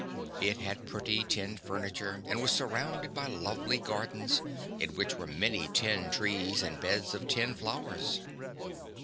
It had pretty tin furniture and was surrounded by lovely gardens in which were many tin trees and beds of tin flowers.